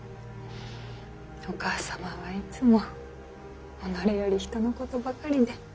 お義母様はいつも己より人のことばかりで。